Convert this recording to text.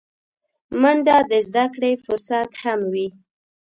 منډه د زدهکړې فرصت هم وي